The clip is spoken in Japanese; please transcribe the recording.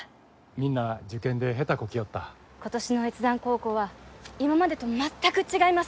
みんな受験で下手こきよった今年の越山高校は今までと全く違います